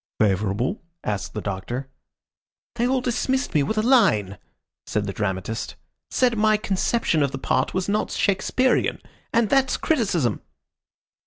"Favorable?" asked the Doctor. "They all dismissed me with a line," said the dramatist. "Said my conception of the part was not Shakespearian. And that's criticism!"